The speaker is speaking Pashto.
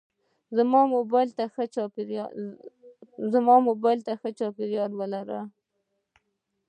زما موبایل ته ښه چارجر لرم.